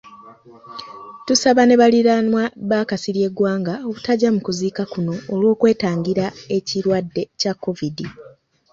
Tusaba ne baliraanwa ba Kasirye Gwanga obutajja mu kuziika kuno olw'okwetangira ekirwadde kya Kovidi.